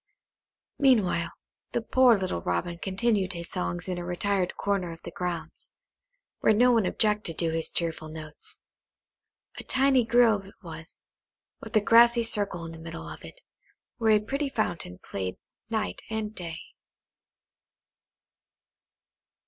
Meanwhile, the poor little Robin continued his songs in a retired corner of the grounds, where no one objected to his cheerful notes. A tiny grove it was, with a grassy circle in the middle of it, where a pretty fountain played night and day.